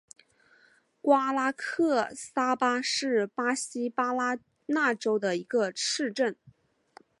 瓜拉克萨巴是巴西巴拉那州的一个市镇。